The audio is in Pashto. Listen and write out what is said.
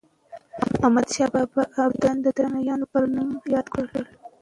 احمدشاه بابا ابداليان د درانیانو په نوم ياد کړل.